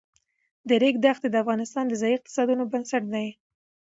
د ریګ دښتې د افغانستان د ځایي اقتصادونو بنسټ دی.